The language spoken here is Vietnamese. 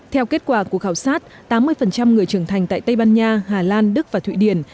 theo kết quả của khảo sát tám mươi người trưởng thành tại tây ban nha hà lan đức và thụy điển